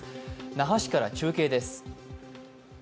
那覇市から中継です。